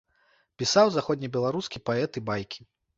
Пісаў заходнебеларускі паэт і байкі.